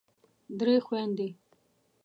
درې خوندې